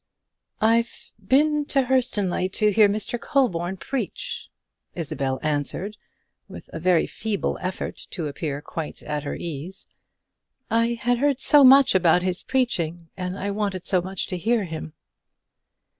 "I've been to Hurstonleigh, to hear Mr. Colborne preach," Isabel answered, with a very feeble effort to appear quite at her ease. "I had heard so much about his preaching, and I wanted so to hear him."